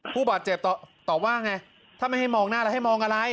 ผู้บาดเจ็บตอบว่าไงถ้าไม่ให้มองหน้าแล้วให้มองอะไร